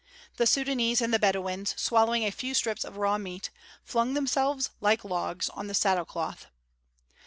The Sudânese and the Bedouins, swallowing a few strips of raw meat, flung themselves, like logs, on the saddle cloth.